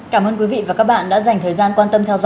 cảm ơn quý vị và các bạn đã dành thời gian quan tâm theo dõi